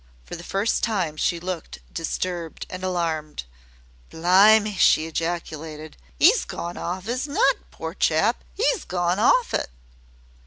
For the first time she looked disturbed and alarmed. "Blimme," she ejaculated, "'e's gone off 'is nut, pore chap! 'e's gone off it!"